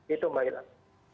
itu mbak hilah